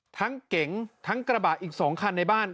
ข้างหน้าทั้งเก๋งทั้งกระบะอีกสองคันในบ้าน